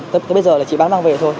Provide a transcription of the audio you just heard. thế bây giờ là chỉ bán mang về thôi